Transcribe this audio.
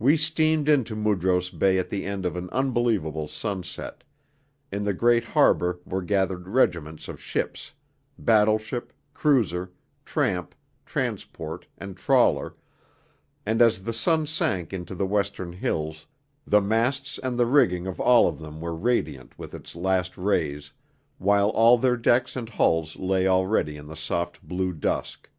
We steamed into Mudros Bay at the end of an unbelievable sunset; in the great harbour were gathered regiments of ships battleship, cruiser, tramp, transport, and trawler, and as the sun sank into the western hills, the masts and the rigging of all of them were radiant with its last rays, while all their decks and hulls lay already in the soft blue dusk.